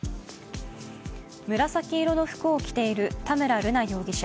紫色の服を着ている田村瑠奈容疑者。